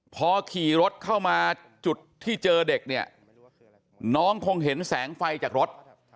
พอขี่รถเข้ามาจุดที่เจอเด็กเนี่ยน้องคงเห็นแสงไฟจากรถ